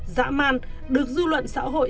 dã man được du luận xã hội